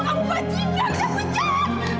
kamu mau cuci tangan